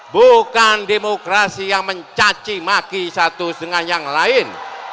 bukan demokrasi yang mencacimaki satu dengan yang lain